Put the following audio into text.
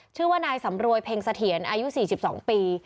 ชื่อว่านายสำรวยเพ็งเสถียรอายุ๔๒ปี